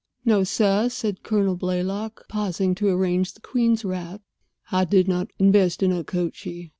"No, sir," said Colonel Blaylock, pausing to arrange the queen's wrap. "I did not invest in Okochee.